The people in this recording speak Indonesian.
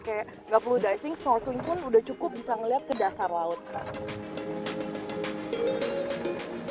kayak gak perlu diving snorkeling pun udah cukup bisa ngeliat ke dasar laut pak